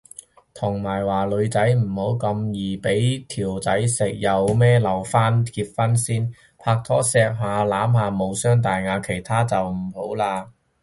同埋話女仔唔好咁易俾條仔食，有咩留返結婚先，拍拖錫下攬下無傷大雅，其他就唔好嘞